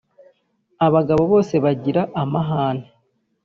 abagabo bose bagira amahane.